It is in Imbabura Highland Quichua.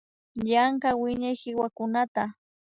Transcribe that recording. Yanka wiñay kiwakunata